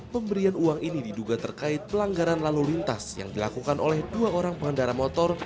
pemberian uang ini diduga terkait pelanggaran lalu lintas yang dilakukan oleh dua orang pengendara motor